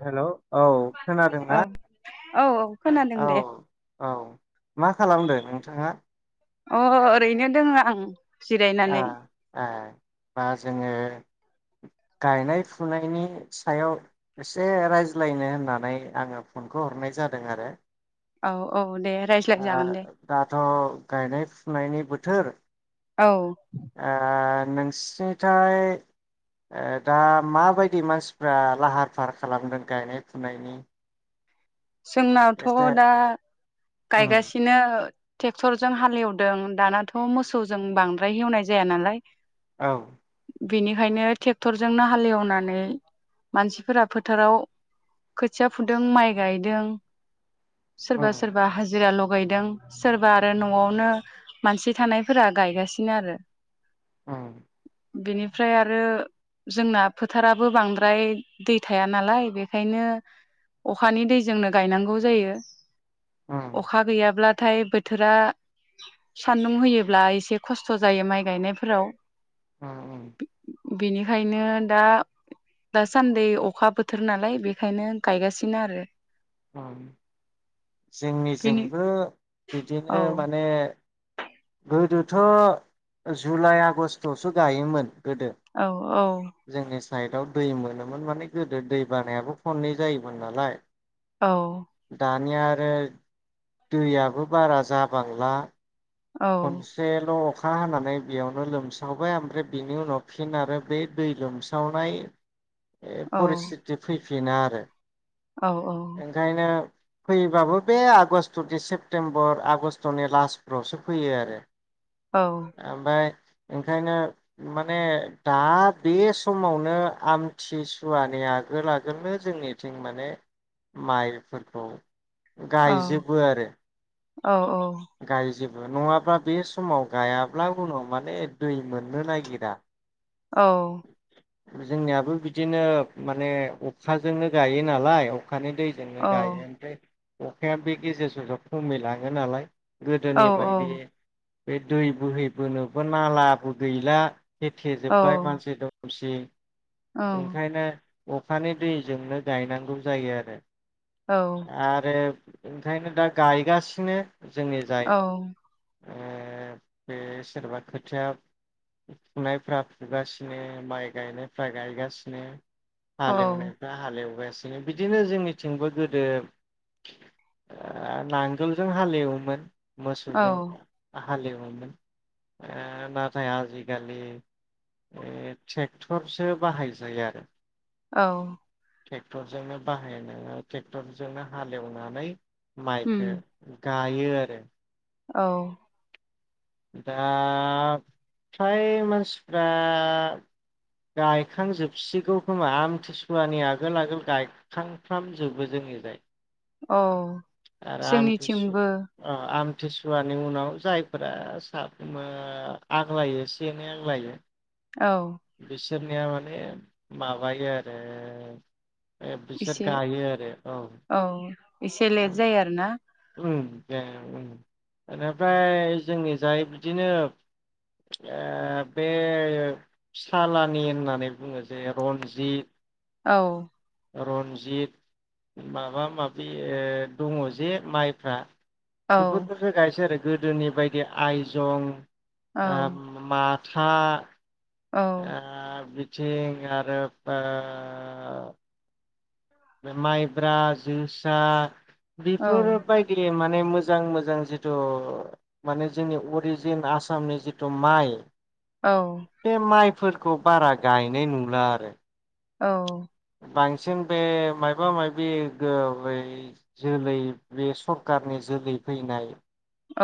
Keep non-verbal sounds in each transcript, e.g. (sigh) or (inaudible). हेल' औ औ खोनादोंना? औ औ खोनादों औ दे औ मा खालामदों नोंथाङा? अ ओरैनो दोङो आं ए जिरायनानै ए दा जोङो गायनाय फुनायनि सायाव एसे रायज्लायनो होननानै आङो फनखौ हरनाय जादों आरो औ औ दे रायज्लायजागोन दे ओ दाथ' गायनाय फुनायनि बोथोर औ ओ नोंसिनिथाय दा माबायदि मानसिफ्रा लाहार फाहार खालामदों गायनाय फुनायनि? जोंनावथ' एसे दा उम गायगासिनो टेक्टरजों हालेवदों दानाथ' मोसौजों बांद्राय हेवनाय जाया नालाय औ बेनिखायनो टेक्टरजोंनो हालेवनानै मानसिफोरा फोथाराव खोथिया फुदों माइ गायदों सोरबा उम सोरबा हाजिरा लग लगायदों सोरबा आरो न'आवनो मानसि थानायफोरा गायगासिनो आरो उम बेनिफ्राय आरो जोंना फोथाराबो बांद्राय दै थाया नालाय बेखायनो अखानि दैजोंनो गायनांगौ जायो उम अखा गैयाब्ला नाथाय बोथोरा सान्दुं होयोब्ला एसे खस्थ' जायो माइ गायनायफोराव उम उम बेनिखायनो दा दासान्दि अखा बोथोर नालाय बेखायनो गायगासिनो नो आरो उम जोंनि बेनि जोंबो औ बिदिनो माने गोदोथ' जुलाइ आगष्टआवसो गायोमोन औ औ साइदआव दै मोनोमोन माने गोदो दै बानायाबो खननै जायोमोन नालाय औ निया आरो दैयाबो बारा जाबांला औ खनसे ल' अखा हानानै बेयावनो लोमसावबाय ओमफ्राय बिनि उनाव फिन आरो बे दै लोमसावनाय ए औ परस्थिथि फै फैफिनो आरो औ ओंखायनो फैबाबो बे आगष्ट'नि सेप्तेम्बर आगष्ट'नि लास्टफ्रावसो फैयो आरो औ ओमफाय ओंखायनो माने दा बे समावनो आमथिसुवानि आगोल आगोलनो जोंनिथिं माने माइफोरखौ औ गायजोबो आरो औ औ गायजोब नङाब्ला बे समाव गायाब्ला उनाव माने दै मोननो नागिरा औ जोंनियाबो बिदिनो माने अखाजोंनो गायो नालाय अखानि दैजोंनो औ गायो ओमफ्राय अखाया बे गेजेर ससेयाव खमै लाङो नालाय गोदोनि बायदि बे दै बोहैबोनोबो नालाबो गैला। होथे जोब्बाय मानसि (unintelligible) ओंखायनो अखानि दैजोंनो गायनांगौ जायो आरो औ आरो ओंखायनो दा गायगासिनो। जोंनि जाय औ ओ बे सोरबा खोथिया फुनायफ्रा फुगासिनो माइ गायनायफ्रा गायगासिनो। औ हालेवनायफ्रा हालेवबाय सिनो बिदिनो जोंनिथिंबो गोदो ओ नांगोलजों हालेवोमोन। औ मोसौजों हालेवोमोन ओ नाथाय आजिखालि ओ ट्रेक्टरसो बाहायसै आरो औ ट्रेक्टरजोंनो बाहायनो ट्रेक्टरजोंनो हालेवनानै उम माइखो गाय यो आरो औ दा फ्राय मानसिफ्रा गायखांजोबसिगौ खोमा आमथिसुवानि आगोल आगोल गायखांफ्रामजोबो जोंनिजाय। औ आराम (unintelligible) जोंनिथिंबो ओ आम थिसुवानि उनाव जायफोरा साफ्रोमबो आग्लायो एसे, एनै आग्लायो औ बिसोरनिया माने माबायो आरो ए बिसोर एसे गायो आरो औ। एसे लेट जायो आरो ना? ओमफाय ओं एनिफ्राय जोंनि जाय बिदिनो ओ बे सालानि होननानै बुङो जे रनजित औ रन्जित माबा माबि दङ' जे माइफ्रा औ बेफोरखौसो गायसै आरो गोदोनि बायदि आइजं, औ आ मा था औ आ आरो ओ माइब्रा जोसा औ बेफोरबायदि माने मोजां मोजां मोजां जिथु माने जोंनि अरिजिन आसामनि जिथु माइ औ बे माइ फोरखौ बारा गायनाय नुला आरो औ बांसिन बे माबा माबि जोलै बे सरखारारनि जोलै फैनाय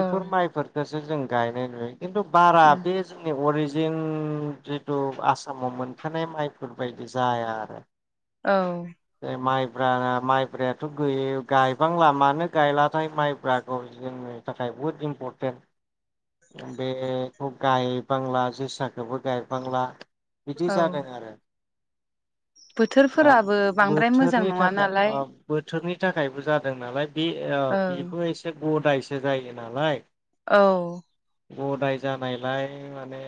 बिफोर माइफोरसो जों गायनाय नुयो। खिन्थु बारा बे जोंनि अरिजिन जों जितु आसामाव मोनखानाय माइफोरबायायदि जाया आरो औ ब माइब्रायाथ' गय गायबांला मानो गायलाथाय माइब्राखौ जोंनि थाखाय बुहुद इम्परटेन्ट बेखौ गायबांला जोसाखौबो गायबांला बिदि औ जादों आरो दा बोथोरफोराबो बांद्राय मोजां बोथोरनि नङा थाखाय नालाय। ओ बोथोरनि थाखायबो जादों नालाय बे ओ औ बिबो एसे गदायसो जायो नालाय औ गदाय जानायलाय माने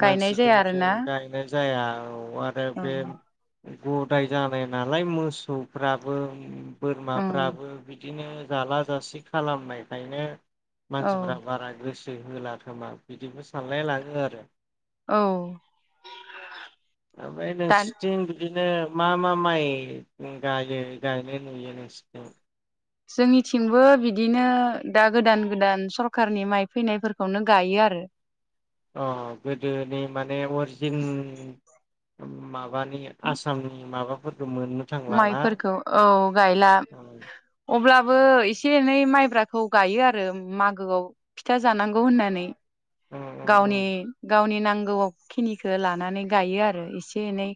गायनाय मानसि जाया दंसै आरोना गायनाय जाया औ आरो औ बे गदाय जानाय नालाय मोसौफ्राबो औ बोरमाफ्राबो बिदिनो जाला जासि खालामनायखायनो औ मानसिफ्रा बारा गोसो होला खोमा बिदिबो सानलाय लाङो आरो। औ ओमफ्राय दान नोंसिथिं बिदिनो मा मा माइ गायो गायनाय नुयो (unintelligible) जोंनिथिंबो बिदिनो दा गोदान गोदान सरकारनि माइ फैनायफोरखौनो गायो आरो। अ गोदोनि माने अरिजिन मा माने आसाम नि माबा माइफोरखौ औ गायला ओम अब्लाबो एसे एनै माइ ब्राखौ गायो आरो मागोआव फिथा जानांगौ होननानै ओम । ओम गावनि ओम गावनि नां गौ खिनिखो लानानै गायो आरो एसे एनै।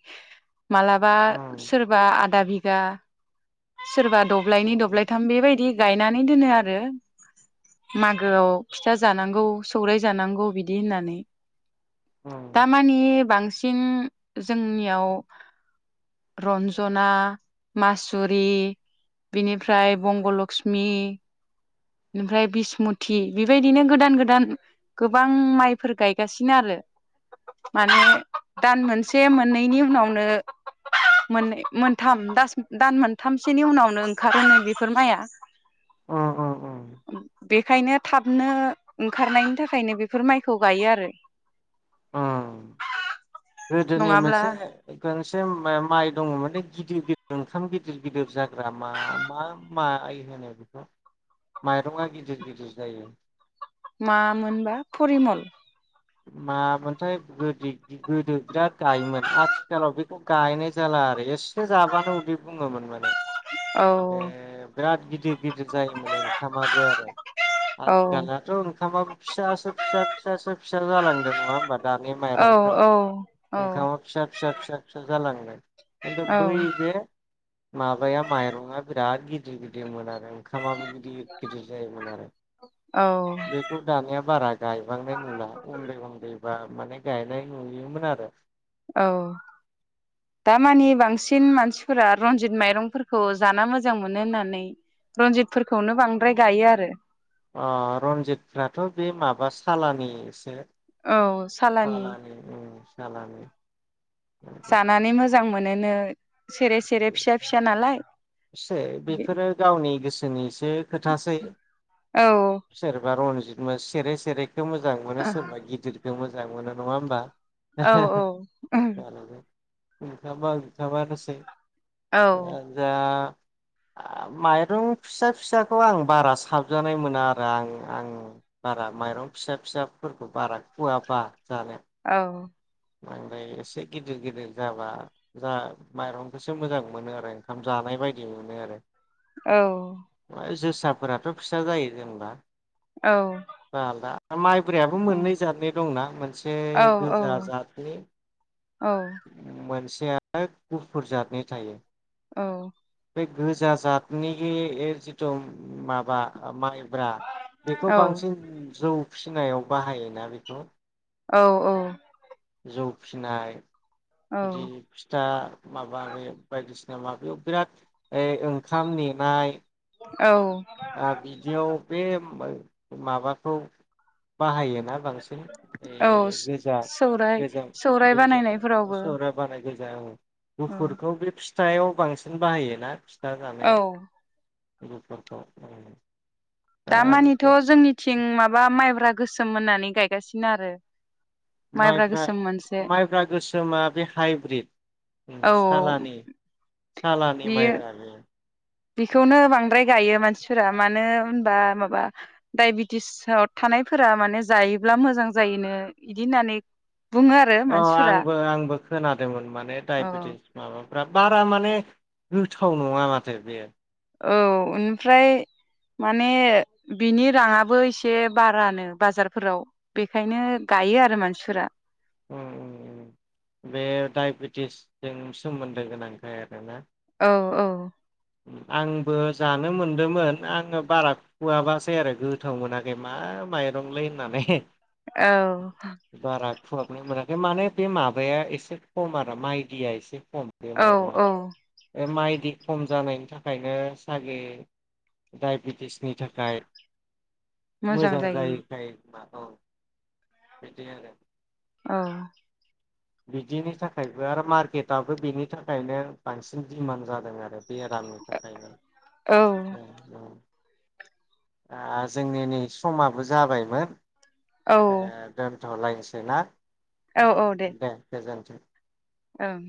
मालाबा ओम सोरबा आदा बि गा। सोरबा दब्लायनै ओम दब्लायथाम बेबायदि गायनानै दोनो आरो मागोआव फिथा जानांगौ सौराय जानांगौ बिदि होननानै। ओम दामानि बां ‌ सिन जोंनिआव रन्जना, मासुरि बिनिफ्राय बंग लक्ष्मि ओमफाय बिसमुथि बेबायदिनो गोदान गोदान गो बां माइफोर गायगासिनो आरो माने दान मोनसे मोननैनि उनावनो मोननै मोनथाम दास दान मोनथामसोनि उनावनो ओंखारोमोन बेफोर माइआ । उम उम उम बेखायनो थाबनो ओंखारनायनि थाखायनो बे फोर माइखौ गायो आरो। अ गोदोनि नङाब्ला मोनसे गंसे मा-माइ दङ (unintelligible) गिदिर गिदिर ओंखाम गिदिर गिदिर जाग्रा मा मा माइ होनो बेखौ माइरंआ गिदिर गिदिर जायो मा मोनबा परिमल? मामोनथाय गोदि गोदो बिराद गायोमोन आथिखालाव बेखौ गायनाय जाला आरो एसे जाबानो उदै बुङोमोन माने । औ बे बिराद गिदिर गिदिर जायोमोन ओंखामाबो आरो औ आथिखालनाथ' ओंखामा फिसासो फिसा फिसासो फि फिसा जालांदों नङा होमबा दानि औ माइरंफ्रा ओंखामा फिसा फिसा फिसा फिसा जालाङो । (inaudible) खिन्थु औ बै बे माबाया माइरंआ बिराद गिदिर गिदिरमोन आरो ओंखामाबो गिदिर गिदिर जायोमोन आरो औ बेखौ दानिया बारा गायबांनाय नुला। उन्दै उन्दै बा माने गायनाय नुयोमोन आरो। औ दामानि बांसिन मानसिफोरा रनजित माइरंफोरखौ जाना मोजां मोनो होननानै रनजितफोरखौनो बांद्राय गायो आरो। अ रन्जितफ्राथ' बे माबा सालानि एसे सालानि उम सालानि जानानै मोजां मोनोनो सेरे सेरे फिसा फिसा नालाय बे ओनिस सो खोथासै औ सोरबा रन जिद सेरे सेरे खौ मोजां मोनो औ सोरबा गिदिर जों मोजां मोनो नङा होमबा? औ औ ओहोम । ओंखामा ओंखामानोसै औ इयानो जा माइरं फिसा फिसाखौ आं बारा साबजानाय मोना आरो आं-आं बारा माइरं फिसा फिसाफोरखौ बारा खुवाबा जानो । औ बांद्राय एसे गिदिर गिदिर जाबा जा माइरंखौसो मोजां मोनो आरो ओंखाम जानाय बायदि मोनो आरो । औ सा फोराथ' फिसा जायो जेनेबा औ दा माइ ब्रायाबो मोननै जाथनि दंना मोनसे औ गोजा जाद । औ मोनसे (unintelligible) गुफुर जाथनि थायो । औ बे गोजा जातनि जिथु माबा माइ ब्रा बेखौ बांसिन जौ फिसिनायाव बाहायोना बेखौ? औ औ जौ फिसिनाय बिदि फिथा माबा बे बायदिसि ना माबायाव बिराद ओ-ओंखाम नेनाय औ औ ओ बिदियाव बे मो माबाखौ बाहायो ना बांसिन औ ए गोजा सौराइ गोजों सौराइ दैजों बानायनायफोरावबो सौराय बानायगो (unintelligible) औ गुफुरखौ बे फिथ थायाव बांसिन बाहायो ना फि था औ जानायाव (unintelligible) दामानिथ बेखौ जोंनिथिं माबा माइब्रा। गोसोम मोननानै गायगासिनो आरो। माइब्रा गोसोम मोनसे माइब्रा गोसोमा बे हाइब्रिद उम औ सालानि। सालानि बियो मायब्रा बे। बेखौनो बांद्राय गायो मानसिफोरा मानो होनबा माबा डायबेटिसआव थानायफोरा माने जायोब्ला मोजां जायोनो इदि होननानै। बुङो आरो अ मानसिफोरा आंबो आंबो खोनादोंमोन माने औ दडायबेटिस माबा फ्रा बारा माने गोथाव नङा माथो बेयो। औ ओमफ्राय माने बिनि राङाबो एसे बारानो बाजारफोराव बेखायनो गायो आरो मानसिफोरा। औ औ‌ औ बे डाइबेटिसजों सोमोन्दो गोनांखाय आरोना। औ औ। आंबो जानो मोनदोंमोन आङो बारा खुवाबासै आरो गोथाव मोनाखै मा माइरंलै होननानै। औ। फुहाबनाय मोनाखै माने बे माबाया एसे खम आरो माइदिया एसे। खम बे औ माइरंआ औ बे माय दि खम जानायनि थाखायनो सागे डाइबेटिसनि थाखाय। मोजां जायैखाय। (unintelligible) बिदि आरो। औ। बिदिनि थाखायबो आरो मार्केटआबो बेनि थाखायनो बांसिन दिमान्ड जादों आरो। बेरामनि थाखायनो औ औ। दा जोंनि नै समाबो जाबायमोन। औ ए दोन थलायनोसै ना। औ औ दे। गोजोनथों। ओं।